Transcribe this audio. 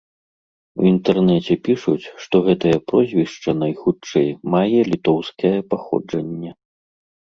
У інтэрнэце пішуць, што гэтае прозвішча, найхутчэй, мае літоўскае паходжанне.